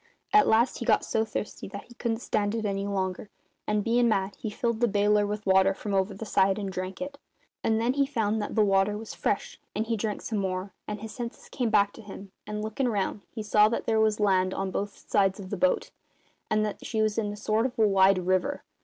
At last he got so thirsty that he couldn't stand it any longer, and, bein' mad, he filled the baler with water from over the side, and drank it. And then he found that the water was fresh, and he drank some more, and his senses came back to him, and, lookin' round, he saw that there was land on both sides of the boat and that she was in a sort of wide river.